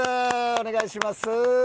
お願いします！